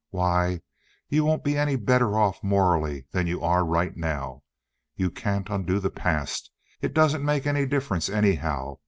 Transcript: Why, you won't be any better off morally than you are right now. You can't undo the past. It doesn't make any difference, anyhow.